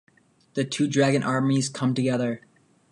The two dragon armies come together.